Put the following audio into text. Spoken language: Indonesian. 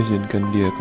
jangan tentu aku